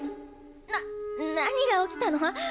な何が起きたの？